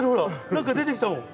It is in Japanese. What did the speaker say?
何か出てきたもん。